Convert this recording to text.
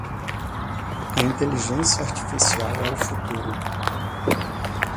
A inteligência artificial é o futuro